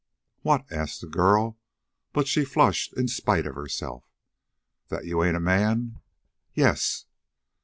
"What?" asked the girl, but she flushed in spite of herself. "That you ain't a man?" "Yes."